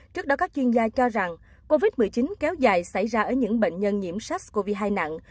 trước đó các chuyên gia cho rằng covid một mươi chín kéo dài xảy ra ở những bệnh nhân nhiễm sars cov hai nặng